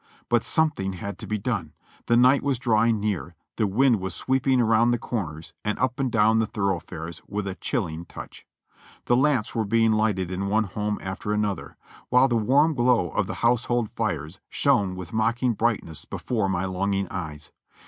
But something had to be done. The night was drawing near; the wind was sweeping around the corners and up and down the thoroughfares with a chilling touch. The lamps were being lighted in one home after another, while the warm glow of the household fires shone with mocking brightness before my longing eyes.